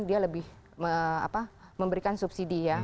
dia lebih memberikan subsidi ya